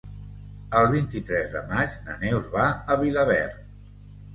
El vint-i-tres de maig na Neus va a Vilaverd.